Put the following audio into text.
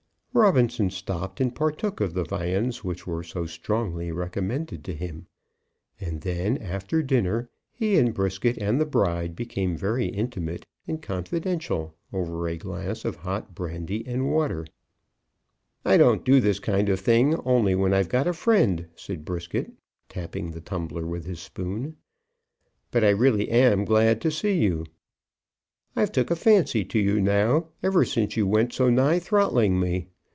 Robinson stopped and partook of the viands which were so strongly recommended to him; and then, after dinner, he and Brisket and the bride became very intimate and confidential over a glass of hot brandy and water. "I don't do this kind of thing, only when I've got a friend," said Brisket, tapping the tumbler with his spoon. "But I really am glad to see you. I've took a fancy to you now, ever since you went so nigh throttling me.